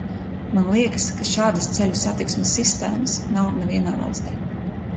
Man liekas, ka šādas ceļu satiksmes sistēmas nav nevienā valstī.